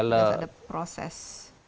itu berdasarkan proses